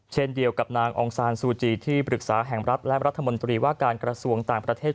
เช่นเดียวกับนางองซานซูจีที่ปรึกษาแห่งรัฐและรัฐมนตรีว่าการกระทรวงต่างประเทศ